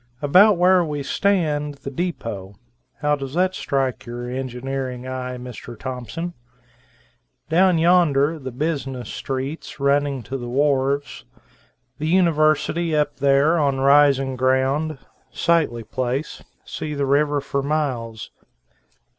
About where we stand, the deepo. How does that strike your engineering eye, Mr. Thompson? Down yonder the business streets, running to the wharves. The University up there, on rising ground, sightly place, see the river for miles.